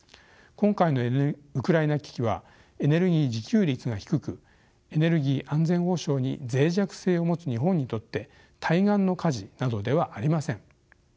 今回のウクライナ危機はエネルギー自給率が低くエネルギー安全保障に脆弱性を持つ日本にとって対岸の火事などではありません。